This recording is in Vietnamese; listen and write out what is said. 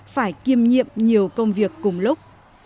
phải kiêm nhiệm nhiều công việc cùng lúc